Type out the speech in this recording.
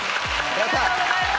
ありがとうございます。